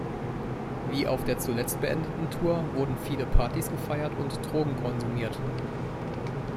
Wie auf der zuletzt beendeten Tour wurden viele Partys gefeiert und Drogen konsumiert.